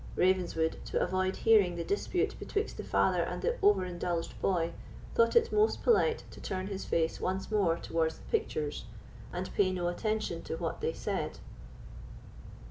Ravenswood, to avoid hearing the dispute betwixt the father and the overindulged boy, thought it most polite to turn his face once more towards the pictures, and pay no attention to what they said.